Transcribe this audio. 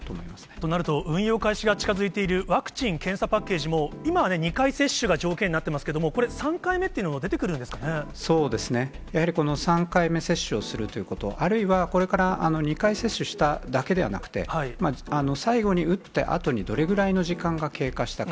となると、運用開始が近づいているワクチン・検査パッケージも、今は２回接種が条件になっていますけれども、これ、３回目っていやはり３回目接種をするということ、あるいはこれから２回接種しただけではなくて、最後に打ったあとにどれぐらいの時間が経過したか。